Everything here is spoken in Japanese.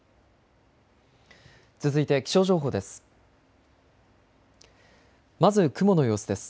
続いて気象情報です。